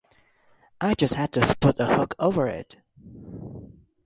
I just had to put a hook over it.